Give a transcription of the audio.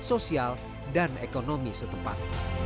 sosial dan ekonomi setempat